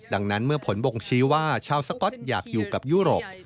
ดังนั้นเมื่อผลบ่งชี้ว่าชาวสก๊อตอยากอยู่กับยุโรป